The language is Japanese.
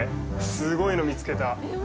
すごいの見つけた。